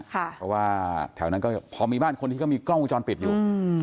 เพราะว่าแถวนั้นก็พอมีบ้านคนที่เขามีกล้องวงจรปิดอยู่